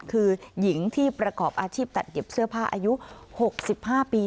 คือหญิงที่ประกอบอาชีพตัดเย็บเสื้อผ้าอายุ๖๕ปี